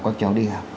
các cháu đi học